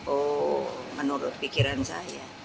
oh menurut pikiran saya